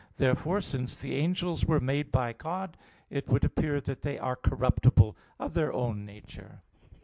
Therefore, since the angels were made by God, it would appear that they are corruptible of their own nature.